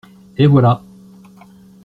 Et voilà.